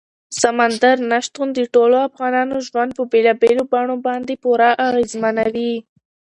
سمندر نه شتون د ټولو افغانانو ژوند په بېلابېلو بڼو باندې پوره اغېزمنوي.